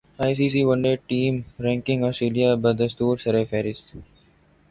I C C one day team ranking Australia بدستورسرفہرست